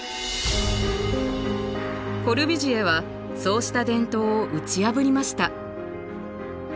コルビュジエはそうした伝統を打ち破りました。